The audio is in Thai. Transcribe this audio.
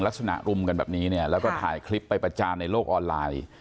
ลักษณะรุมกันแบบนี้เนี่ยแล้วก็ถ่ายคลิปไปประจานในโลกออนไลน์